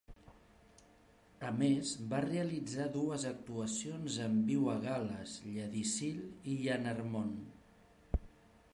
A més, va realitzar dues actuacions en viu a Gal·les, Llandyssil i Llanarmon.